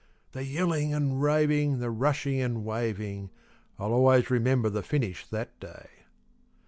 The yelling and raving, the rushing and waving I'll always remember the finish that day.